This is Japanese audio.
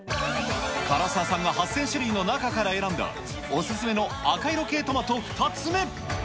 唐沢さんが８０００種類の中から選んだ、お勧めの赤色系トマト２つ目。